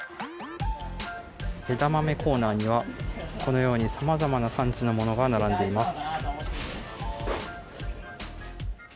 枝豆コーナーにはこのようにさまざまな産地のものが並んでいます。